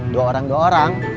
dua orang dua orang